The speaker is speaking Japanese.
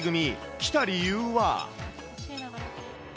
来た理由は。